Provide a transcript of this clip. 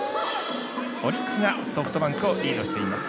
オリックスがソフトバンクをリードしています。